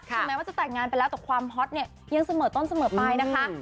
แม้ว่าจะแต่งงานไปแล้วแต่ความฮอตเนี่ยยังเสมอต้นเสมอไปนะคะ